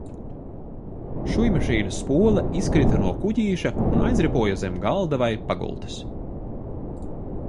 Šujmašīnas spole izkrita no kuģīša un aizripoja zem galda vai pagultes.